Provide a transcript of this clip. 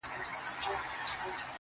ژونده ! بائیللي زندگي به دې له ما سره وه